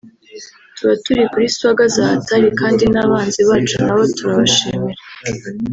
tuba turi kuri swagga za hatari kandi n’abanzi bacu nabo turabashimira”